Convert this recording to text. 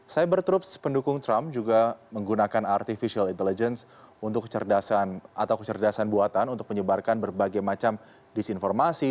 cyber troops pendukung trump juga menggunakan artificial intelligence untuk kecerdasan buatan untuk menyebarkan berbagai macam disinformasi